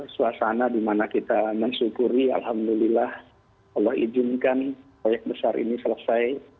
suasana di mana kita mensyukuri alhamdulillah allah izinkan proyek besar ini selesai